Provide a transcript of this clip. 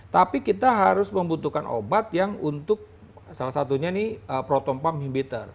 tapi kita harus membutuhkan obat yang untuk salah satunya nih proton pump inhibitor